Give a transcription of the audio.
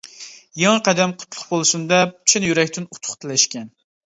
يېڭى قەدەم قۇتلۇق بولسۇن دەپ، چىن يۈرەكتىن ئۇتۇق تىلەشكەن.